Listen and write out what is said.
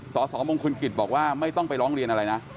สสมงคลกิจบอกว่าไม่ต้องไปร้องเรียนอะไรนะ